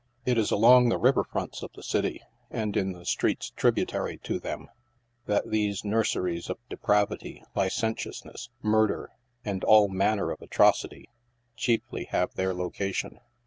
It is along the river fronts of the city, and in the streets tributary to them, that these nurseries of depravity, licentiousness, murder, and all manner of atrocity, chiefly have their location.